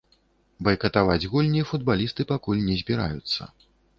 Байкатаваць гульні футбалісты пакуль не збіраюцца.